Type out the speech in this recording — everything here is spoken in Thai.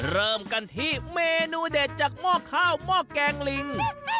เริ่มกันที่เมนูเด็ดจากหม้อข้าวหม้อแกงลิง